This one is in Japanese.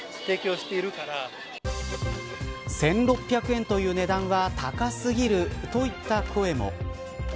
１６００円という値段は高すぎるといった声も。